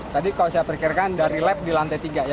tadi kalau saya pikirkan dari lab di lantai tiga